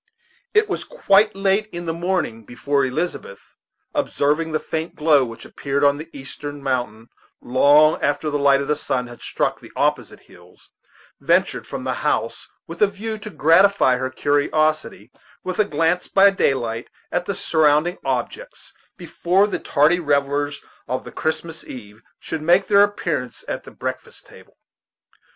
It was quite late in the morning before Elizabeth, observing the faint glow which appeared on the eastern mountain long after the light of the sun had struck the opposite hills, ventured from the house, with a view to gratify her curiosity with a glance by daylight at the surrounding objects before the tardy revellers of the Christmas eve should make their appearance at the breakfast table.